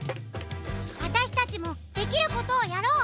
あたしたちもできることをやろう！